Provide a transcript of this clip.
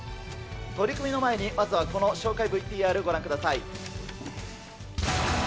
取組の前にまずはこの紹介ＶＴＲご覧ください。